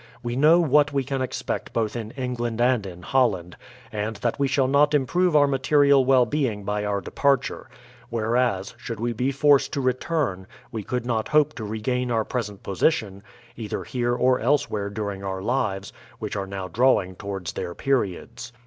We know what we can expect both in England and in Holland, and that we shall not improve our material well being by our departure; whereas, should we be forced to return, we could not hope to re gain our present position, either here or elsewhere during our lives, which are now drawing towards their periods.